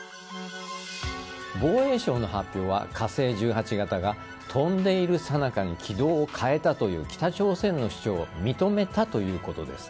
防衛省の発表は火星１８が飛んでいるさなかに軌道を変えたという北朝鮮の主張を認めたということです。